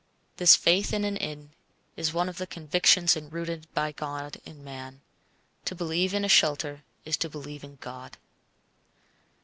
This faith in an inn is one of the convictions enrooted by God in man. To believe in a shelter is to believe in God.